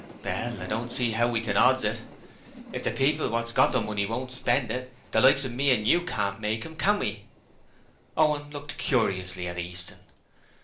'Well, I don't see 'ow we can odds it. If the people wot's got the money won't spend it, the likes of me and you can't make 'em, can we?' Owen looked curiously at Easton.